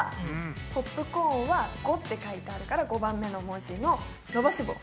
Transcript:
ポップコーンは⑤って書いてあるから５番目の文字の伸ばし棒。